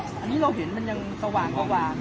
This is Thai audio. ตอนนี้กำหนังไปคุยของผู้สาวว่ามีคนละตบ